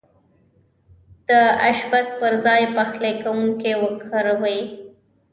د اشپز پر ځاي پخلی کونکی وکاروئ